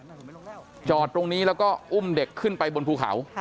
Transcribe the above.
กายานยนต์มาจอดจอดตรงนี้แล้วก็อุ้มเด็กขึ้นไปบนภูเขา